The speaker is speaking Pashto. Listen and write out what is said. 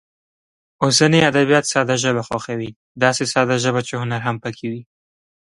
اوسني ادبیات ساده ژبه خوښوي، داسې ساده ژبه چې هنر هم پکې وي.